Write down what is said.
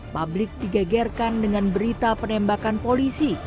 publik digegerkan dengan berita penembakan polisi